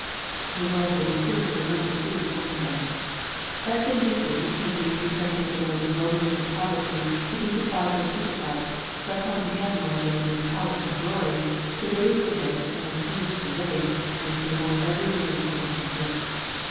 The world will be fearfully undeceived one day. That same Jesus who came eighteen centuries ago in lowliness and poverty, to be despised and crucified, shall come again one day in power and glory, to raise the dead and change the living, and to reward every man according to his works.